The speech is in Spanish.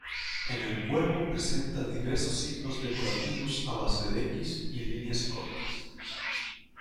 En el cuerpo presenta diversos signos decorativos a base de equis y líneas cortas.